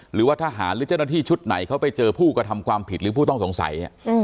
หรือว่าทหารหรือเจ้าหน้าที่ชุดไหนเขาไปเจอผู้กระทำความผิดหรือผู้ต้องสงสัย